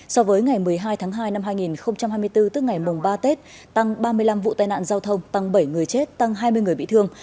so với ngày một mươi hai tháng hai năm hai nghìn hai mươi bốn tức ngày mùng ba tết tăng ba mươi năm vụ tai nạn giao thông tăng bảy người chết tăng hai mươi người bị thương